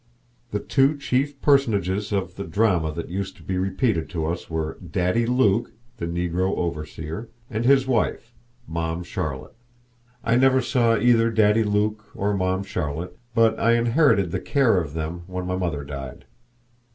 The two chief personages of the drama that used to be repeated to us were Daddy Luke, the Negro overseer, and his wife, Mom' Charlotte. I never saw either Daddy Luke or Mom' Charlotte, but I inherited the care of them when my mother died.